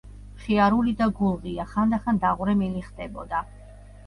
მხიარული და გულღია, ხანდახან დაღვრემილი ხდებოდა.